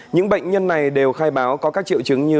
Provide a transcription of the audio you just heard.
những bệnh nhân này đều khai báo có các triệu chứng như